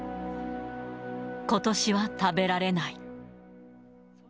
ことしは食べられない。